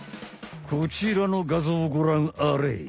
こちらの画像をごらんあれ。